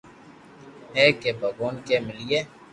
ھي ڪي ڀگوان ڪي ملئي